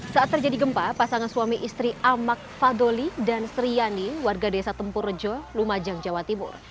saat terjadi gempa pasangan suami istri amak fadoli dan sriani warga desa tempurjo lumajang jawa timur